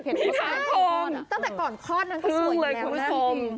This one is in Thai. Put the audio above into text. ตั้งแต่ก่อนคลอดนั้นก็สวยอีกแล้วแรงจริง